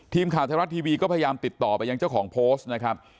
ทีมข่าวไทยรัฐทีวีก็พยายามติดต่อไปยังเจ้าของโพสต์นะครับ